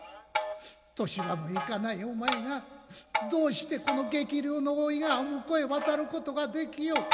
年端もいかないお前がどうしてこの激流の大井川を向こうへ渡ることができよう。